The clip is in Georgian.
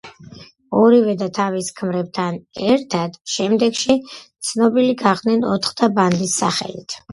ორივე და თავის ქმრებთან ერთად შემდეგში ცნობილი გახდნენ „ოთხთა ბანდის“ სახელით.